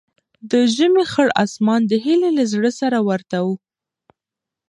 د ژمي خړ اسمان د هیلې له زړه سره ورته و.